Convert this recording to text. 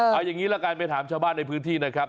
เอาอย่างนี้ละกันไปถามชาวบ้านในพื้นที่นะครับ